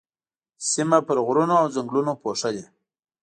سيمه پر غرونو او ځنګلونو پوښلې.